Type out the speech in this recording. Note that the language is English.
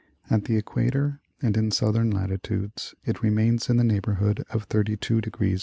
at the equator and in southern latitudes it remains in the neighborhood of 32° F.